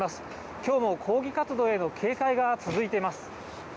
きょうも抗議活動への警戒が続いています。